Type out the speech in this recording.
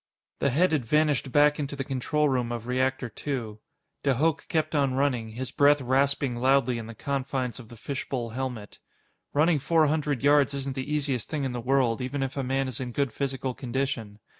The head had vanished back into the control room of Reactor Two. De Hooch kept on running, his breath rasping loudly in the confines of the fishbowl helmet. Running four hundred yards isn't the easiest thing in the world, even if a man is in good physical condition.